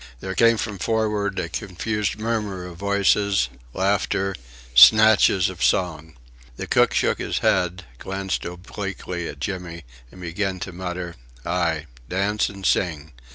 There came from forward a confused murmur of voices, laughter snatches of song. The cook shook his head, glanced obliquely at Jimmy, and began to mutter. "Aye. Dance and sing.